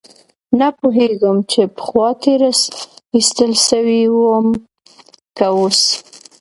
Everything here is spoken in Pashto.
نه پوهېدم چې پخوا تېر ايستل سوى وم که اوس.